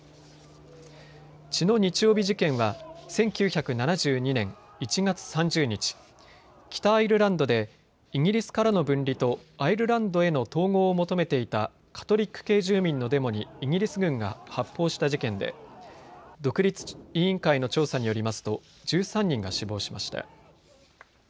血の日曜日事件は１９７２年１月３０日、北アイルランドでイギリスからの分離とアイルランドへの統合を求めていたカトリック系住民のデモにイギリス軍が発砲した事件で独立委員会の調査によりますと１３人が死亡しました。